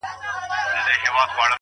چي پكښي خوند پروت وي’